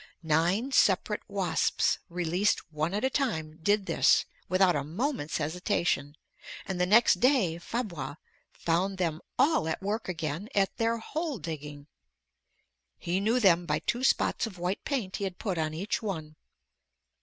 Nine separate wasps released one at a time did this without a moment's hesitation, and the next day Fabre found them all at work again at their hole digging. He knew them by two spots of white paint he had put on each one.